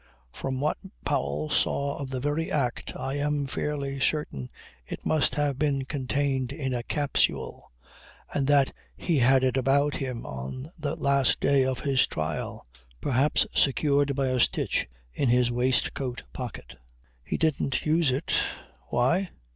From what Powell saw of the very act I am fairly certain it must have been contained in a capsule and that he had it about him on the last day of his trial, perhaps secured by a stitch in his waistcoat pocket. He didn't use it. Why?